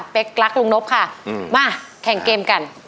รักลุงนบค่ะมาแข่งเกมกัน